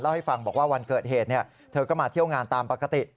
ให้ฟังบอกว่าวันเกิดเหตุเธอก็มาเที่ยวงานตามปกติ